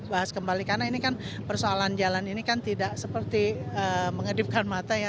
bahas kembali karena ini kan persoalan jalan ini kan tidak seperti mengedipkan mata ya